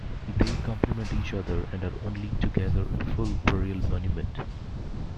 They complement each other and are only together a full burial monument.